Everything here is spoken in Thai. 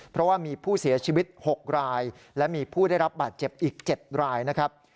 เพราะว่ามีผู้เสียชีวิต๖รายและมีผู้ได้รับบาดเจ็บอีก๗รายนะครับ